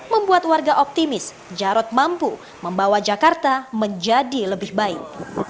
membuat warga optimis jarod mampu membawa jakarta menjadi lebih baik